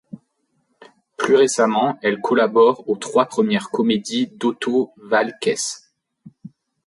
Plus récemment, elle collabore aux trois premières comédies d'Otto Waalkes.